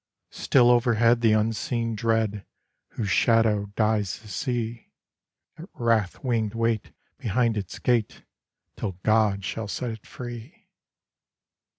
Still overhead the unseen dread, Whose shadow dyes the sea, At wrath winged wait behind its gate Till God shall set it free.